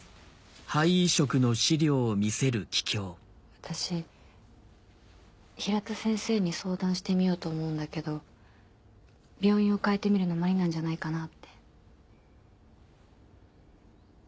私平田先生に相談してみようと思うんだけど病院を変えてみるのもありなんじゃないかなって。